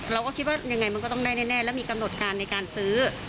เราก็คิดว่ายังไงมันก็ต้องได้แน่แล้วมีกำหนดการในการซื้อ